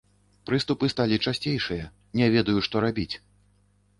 Прыступы сталі часцейшыя, не ведаю, што рабіць!